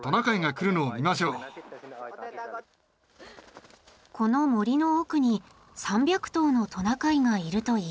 この森の奥に３００頭のトナカイがいるといいます。